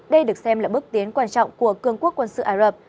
đây được xem là bước tiến quan trọng của cương quốc quân sự ả rập